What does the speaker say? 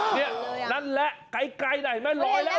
นี่นั่นแหละไกลหน่อยเห็นไหมลอยแล้ว